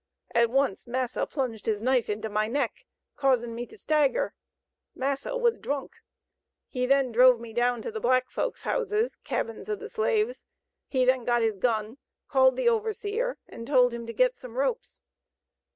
At once massa plunged his knife into my neck causing me to stagger. Massa was drunk. He then drove me down to the black folk's houses (cabins of the slaves). He then got his gun, called the overseer, and told him to get some ropes.